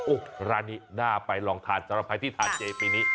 โอ้ร้านนี้หน้าไปลองทานจริงไปที่ทานเจปีนี้